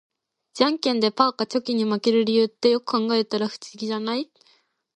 ジャンケンでパーがチョキに負ける理由って、よく考えたら不思議じゃない？